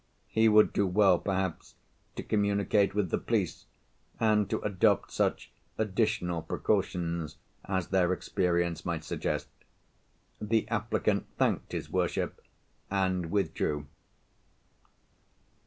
He would do well perhaps to communicate with the police, and to adopt such additional precautions as their experience might suggest. The applicant thanked his worship, and withdrew."